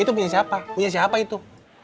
itu punya siapa punya siapa itu